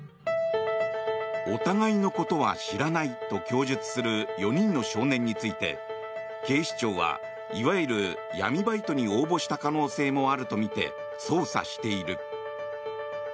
お互いのことは知らないと供述する４人の少年について警視庁は、いわゆる闇バイトに応募した可能性もあるとみて捜査している。